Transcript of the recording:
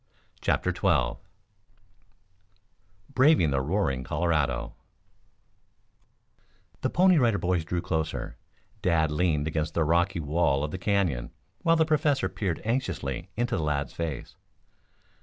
CHAPTER XII BRAVING THE ROARING COLORADO The Pony Riders drew closer, Dad leaned against the rocky wall of the Canyon, while the Professor peered anxiously into the lad's face.